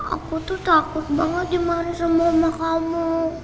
aku tuh takut banget dimarahi sama oma kamu